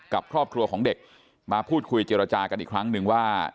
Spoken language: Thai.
กับครอบครัวของเด็กมาพูดคุยเจรจากันอีกครั้งหนึ่งว่า